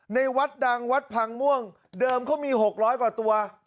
วัดดังวัดพังม่วงเดิมเขามี๖๐๐กว่าตัว